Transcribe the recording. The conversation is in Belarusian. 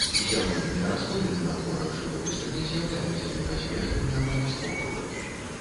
З'яўленне расколін на творах жывапісу не з'яўляецца непазбежным і абавязковым.